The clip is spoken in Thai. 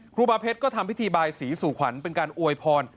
ครูบาเพชรก็ทำพิธีบายสีสู่ขวัญเป็นการอวยพร